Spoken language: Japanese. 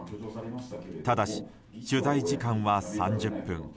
ただし、取材時間は３０分。